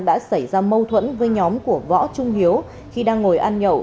đã xảy ra mâu thuẫn với nhóm của võ trung hiếu khi đang ngồi ăn nhậu